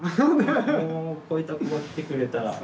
こういった子が来てくれたら。